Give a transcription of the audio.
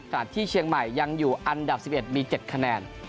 ที่เชียงใหม่ยังอยู่อันดับ๑๑มี๗คะแนน